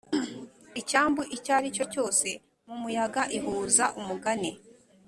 icyambu icyo aricyo cyose mumuyaga ihuza umugani